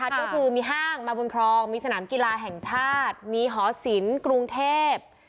ก็คือมีห้างมาบนครองมีสนามกีฬาแห่งชาติมีหอศิลป์กรุงเทพ